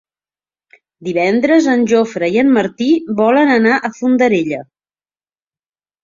Divendres en Jofre i en Martí volen anar a Fondarella.